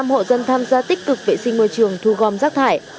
một trăm hộ dân tham gia tích cực vệ sinh môi trường thu gom rác thải